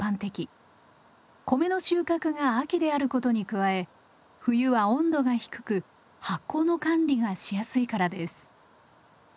米の収穫が秋であることに加え冬は温度が低く発酵の管理がしやすいからです。